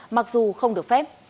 mặc dù không được phép